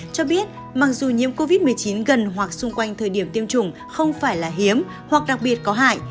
cho biết mặc dù nhiễm covid một mươi chín gần hoặc xung quanh thời điểm tiêm chủng không phải là hiếm hoặc đặc biệt có hại